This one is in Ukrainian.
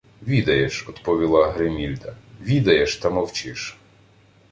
— Відаєш, — одповіла Гримільда. — Відаєш, та мовчиш.